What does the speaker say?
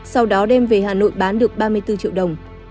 sau đó đem về hà nội bán được ba mươi bốn triệu đồng